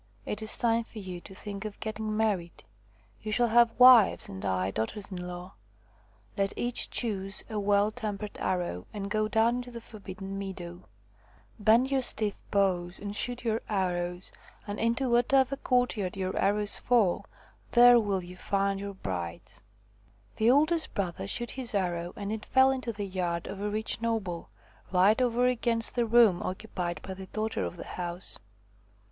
It is time for you to think of getting married. You shall have wives and I daughters in law. Let each choose a well tempered arrow and go down into the forbidden meadow. Bend your stiff bows and shoot your arrows, and into whatever 116 THE FROG QUEEN courtyard your arrows fall, there will you find your brides." The oldest brother shot his arrow, and it fell into the yard of a rich noble, right over against the room occupied by the daughter of the house.